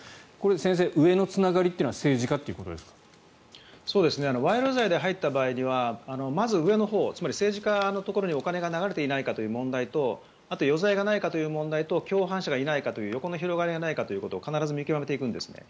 先生、上のつながりというのは賄賂罪で入った場合にはまず、上のほうつまり政治家のほうにお金が流れていないかという問題とあと余罪がないかという問題と共犯者がいないかという横の広がりがないかということを必ず見極めていくんですね。